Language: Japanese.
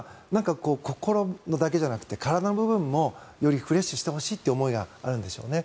心だけじゃなくて体の部分もよりリフレッシュしてほしいというのがあるんでしょうね。